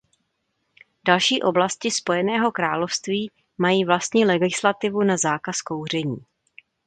Další oblasti Spojeného království mají vlastní legislativu na zákaz kouření.